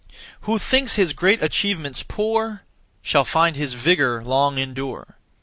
Who thinks his great achievements poor Shall find his vigour long endure.